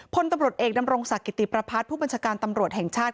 พลตำรวจเอกดำรงศักดิติประพัฒน์ผู้บัญชาการตำรวจแห่งชาติ